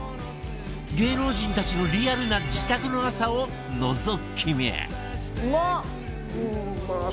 芸能人たちのリアルな自宅の朝をのぞき見！